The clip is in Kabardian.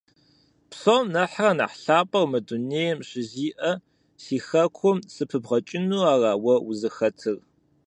Псом нэхърэ нэхъ лъапӀэу мы дунейм щызиӀэ си хэкум сыпыбгъэкӀыну ара уэ узыхэтыр?